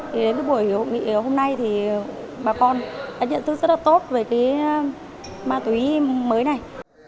thì đến cái buổi hội nghị hôm nay thì bà con đã nhận thức rất là tốt về cái ma túy mới này